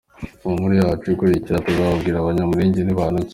Mu nkuru yacu ikurikira tuzababwira abanyamulenge ni bantu ki?